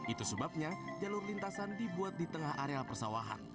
itu sebabnya jalur lintasan dibuat di tengah areal persawahan